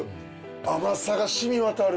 甘さがしみ渡る。